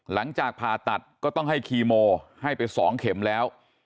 หลังจากผ่าตัดก็ต้องให้คีโมให้ไป๒เข็มแล้ว